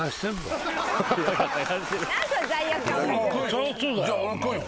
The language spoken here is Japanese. そりゃそうだよ